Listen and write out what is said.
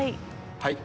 はい。